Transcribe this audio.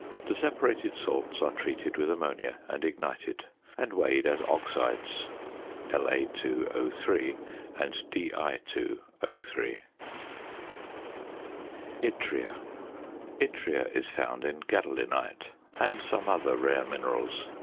The separated salts are treated with ammonia and ignited, and weighed as oxides (La_O_ and Di_O_). YTTRIA. Yttria is found in gadolinite and some other rare minerals.